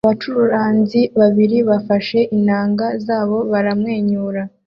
Abacuranzi babiri bafashe inanga zabo baramwenyura